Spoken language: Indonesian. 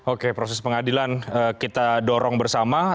oke proses pengadilan kita dorong bersama